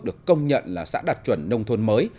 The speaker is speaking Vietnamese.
được công nhận là xã đạt chuẩn nông thôn mới